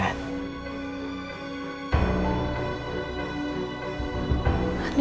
aku butuh istri